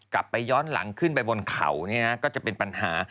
กลับไปย้อนหลังขึ้นไปบนเขาก็จะเป็นปัญหา